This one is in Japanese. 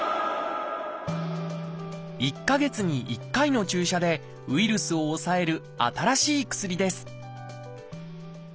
１か月に１回の注射でウイルスを抑える新しい薬です。